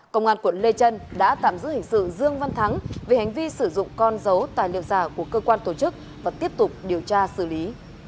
công an quận lê trân đã tạm giữ hình sự dương văn thắng về hành vi sử dụng con dấu tài liệu giả của cơ quan tổ chức và tiếp tục điều tra xử lý